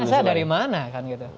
ya saya dari mana kan gitu